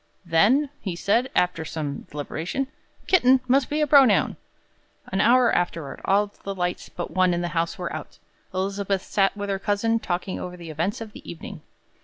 'Then,' he said, after some deliberation, 'kitten must be a pronoun.'" An hour afterward, all the lights but one in the house were out. Elizabeth sat with her cousin talking over the events of the evening.